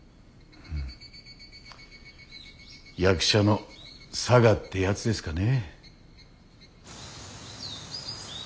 役者の性ってやつですかね。